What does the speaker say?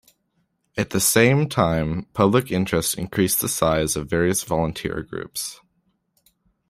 At the same time public interest increased the size of various volunteer groups.